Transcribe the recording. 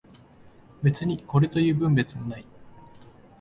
別にこれという分別も出ない